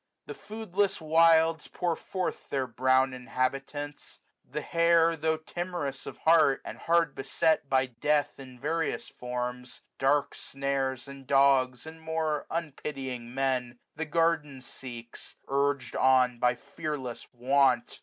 The foodless wilds Pour forth their brown inhabitants. The hare, ITm)' timorous of heart, and hard beset By death in various forms, dark snares, and dogs. And more unpitying Men, the garden seeks, 26a Urg'd on by fearless want.